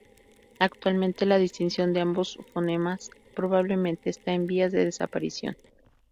Actualmente la distinción de ambos fonemas probablemente está en vías de desaparición.